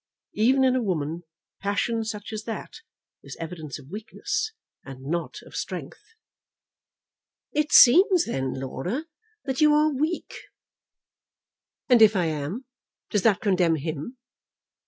Even in a woman passion such as that is evidence of weakness, and not of strength." "It seems, then, Laura, that you are weak." "And if I am, does that condemn him?